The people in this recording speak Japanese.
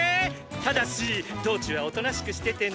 ただし道中はおとなしくしててね！